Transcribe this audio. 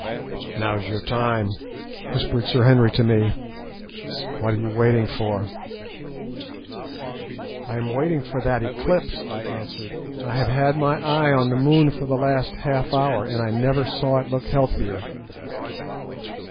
"Now's your time," whispered Sir Henry to me; "what are you waiting for?" "I am waiting for that eclipse," I answered; "I have had my eye on the moon for the last half hour, and I never saw it look healthier."